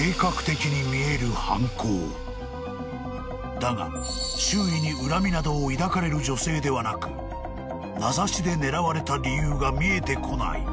［だが周囲に恨みなどを抱かれる女性ではなく名指しで狙われた理由が見えてこない］